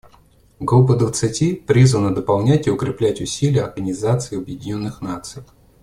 Группа двадцати призвана дополнять и укреплять усилия Организации Объединенных Наций.